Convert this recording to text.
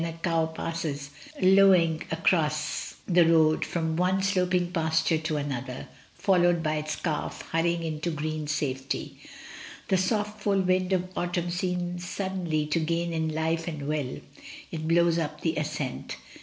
a cow passes lowing across the road from one slop ing pasture to another, followed by its calf, hurry ing into green safety. The soft full wind of autumn seems suddenly to gain in life and will; it blows up the ascent.